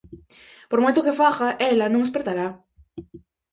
Por moito que faga, ela non espertará.